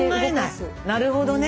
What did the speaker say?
なるほどね。